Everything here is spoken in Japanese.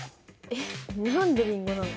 えっ何でリンゴなの？